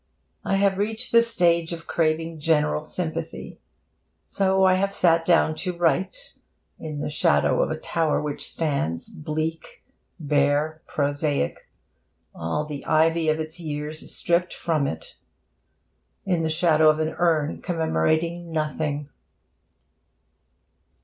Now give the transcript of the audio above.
I have reached the stage of craving general sympathy. So I have sat down to write, in the shadow of a tower which stands bleak, bare, prosaic, all the ivy of its years stripped from it; in the shadow of an urn commemorating nothing.